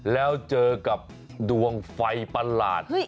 แล้วเจอกับดวงไฟประหลาด